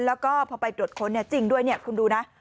แล้วก็พอไปตรวจค้นจริงด้วยเนี่ยคุณดูนะ